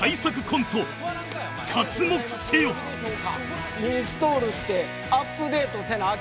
インストールしてアップデートせなあきませんな！